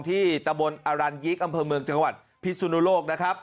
ที่ตะบนอรันยิกอำเภอเมืองจังหวัดพิศุนโลก